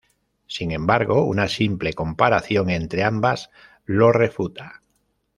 Sin embargo, una simple comparación entre ambas lo refuta.